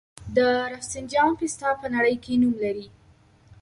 د رفسنجان پسته په نړۍ کې نوم لري.